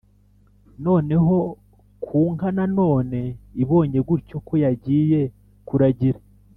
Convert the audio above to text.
noneho ku nka na none, ibonye gutyo ko yagiye kuragira,